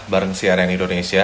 bareng si arjan indonesia